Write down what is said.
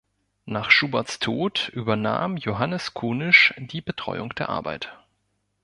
Nach Schuberts Tod übernahm Johannes Kunisch die Betreuung der Arbeit.